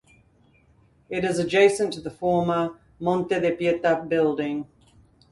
It is adjacent to the former Monte de Pieta building.